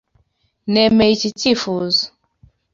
Nemeye iki cyifuzo.